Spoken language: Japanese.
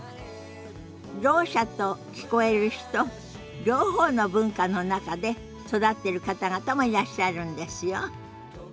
ろう者と聞こえる人両方の文化の中で育ってる方々もいらっしゃるんですよ。